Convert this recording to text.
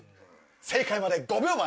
正解まで５秒前！